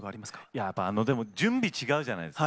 やっぱり準備、違うじゃないですか